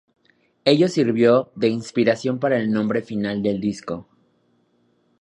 Ello sirvió de inspiración para el nombre final del disco.